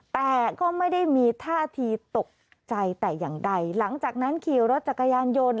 แต่ก็ไม่ได้มีท่าทีตกใจแต่อย่างใดหลังจากนั้นขี่รถจักรยานยนต์